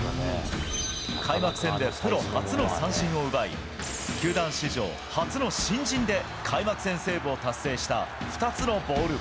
開幕戦でプロ初の三振を奪い、球団史上初の新人で、開幕戦セーブを達成した２つのボール。